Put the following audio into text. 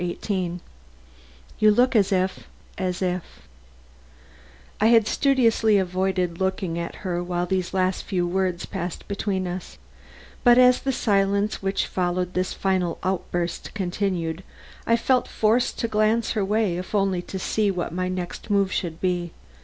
XVIII "YOU LOOK AS IF AS IF " I had studiously avoided looking at her while these last few words passed between us, but as the silence which followed this final outburst continued, I felt forced to glance her way if only to see what my next move should be.